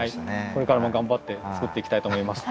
これからも頑張って作っていきたいと思います。